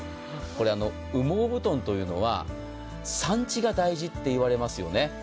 これ羽毛布団というのは、産地が大事って言われますよね。